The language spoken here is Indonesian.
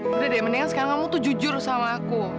udah deh mendingan sekarang kamu tuh jujur sama aku